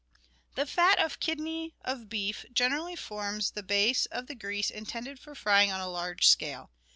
The fat of kidney of beef generally forms the base of the grease intended for frying on a large scale.